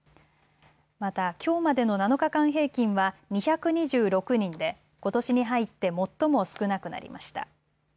また、きょうまでの７日間平均は２２６人でことしに入って最も少なくなりました。